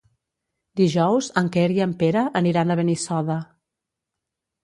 Dijous en Quer i en Pere aniran a Benissoda.